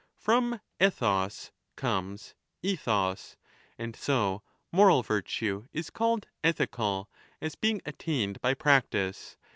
From ethos comes ethos, and so moral virtue is called ' ethical ', as being attained by practice.